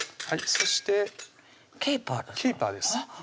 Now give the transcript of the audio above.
そしてケイパーです